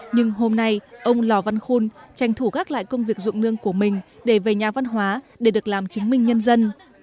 nhưng hôm nay ông lò văn khun tranh thủ gác lại công việc dụng nương của mình để về nhà văn hóa để được làm chứng minh nhân dân